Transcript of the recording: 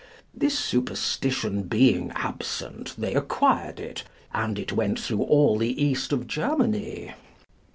This superstition being absent, they acquired it, and it went through all the east of Germany.